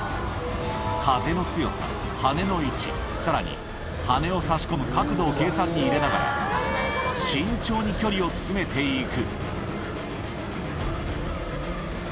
風の強さ、羽根の位置、さらに羽根を差し込む角度を計算に入れながら、慎重に距離を詰めていく。